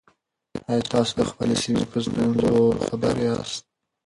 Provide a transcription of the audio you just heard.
آیا تاسو د خپلې سیمې په ستونزو خبر یاست؟